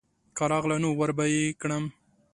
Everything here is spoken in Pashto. که راغله نو وربه یې کړم.